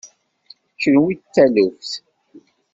Kenwi d taluft.